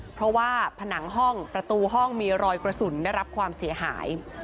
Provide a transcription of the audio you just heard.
เพราะว่าผนังห้องประตูห้องมีรอยกระสุนได้รับความเสียหาย